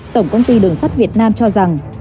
tổng công ty đường sắt việt nam cho rằng